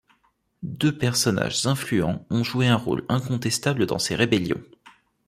Deux personnages influents ont joué un rôle incontestable dans ces rébellions.